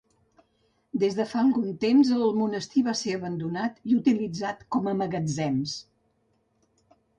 Des de fa algun temps el monestir va ser abandonat, i utilitzat com a magatzems.